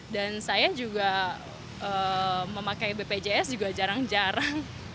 dan saya juga memakai bpjs juga jarang jarang